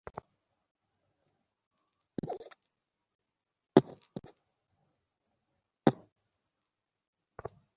এই প্রতীকগুলি ভাব প্রকাশ করে এবং কতকগুলি বিশেষ মানসিক অবস্থার সৃষ্টি করে।